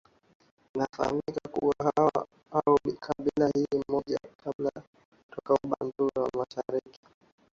Inafahamika kuwa waha au kabila hili ni moja ya kabila kutoka Wabantu wa mashariki